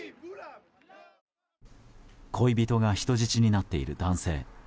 恋人が人質になっている男性。